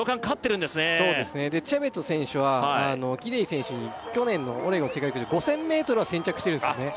そうですねでチェベト選手はギデイ選手に去年のオレゴン世界陸上５０００ｍは先着してるんですよね